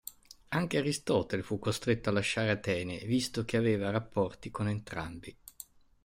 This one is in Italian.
Anche Aristotele fu costretto a lasciare Atene visto che aveva rapporti con entrambi.